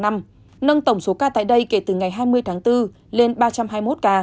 nâng tổng số ca tại đây kể từ ngày hai mươi tháng bốn lên ba trăm hai mươi một ca